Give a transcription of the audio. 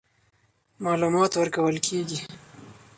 معلومات ورکول کېږي.